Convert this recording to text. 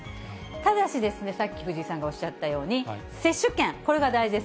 ただし、さっき藤井さんがおっしゃったように、接種券、これが大事です。